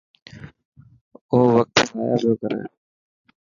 او وقت ضايع پيو ڪري.